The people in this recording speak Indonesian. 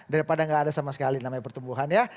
daripada nggak ada sama sekali namanya pertumbuhan ya